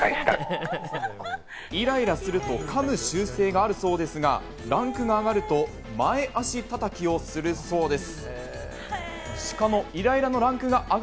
イライラすると、噛む習性があるそうですが、ランクが上がると、前足叩きをするそうです。